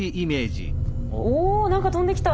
お何か飛んできた。